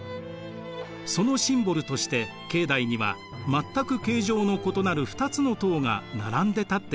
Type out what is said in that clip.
そのシンボルとして境内には全く形状の異なる２つの塔が並んで建っています。